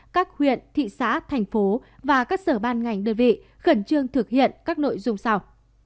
các huyện thị xã thành phố và các sở ban ngành đơn vị khẩn trương thực hiện các nội dung sau